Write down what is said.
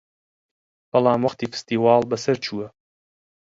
بەڵام وەختی فستیواڵ بەسەر چووە